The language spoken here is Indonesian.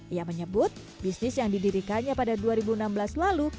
ia menyebut bisnis yang didirikannya pada dua ribu enam belas lalu